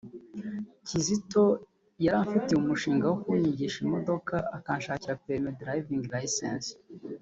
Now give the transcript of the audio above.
Kizito yari amfitiye umushinga wo kunyigisha imodoka akanshakira Perimi (driving license)